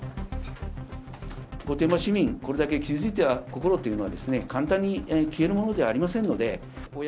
御殿場市民、これだけ傷ついた心というのは簡単に消えるものではありませんので。